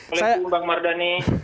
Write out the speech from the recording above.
assalamualaikum bang mardani